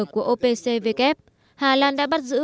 của opcvk hà lan đã bắt giữ